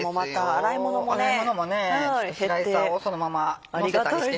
洗い物もねスライサーをそのままのせたりしてね。